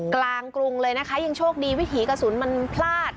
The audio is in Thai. กรุงเลยนะคะยังโชคดีวิถีกระสุนมันพลาด